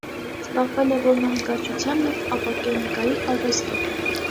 Զբաղվել է որմնանկարչությամբ և ապակենկարի արվեստով։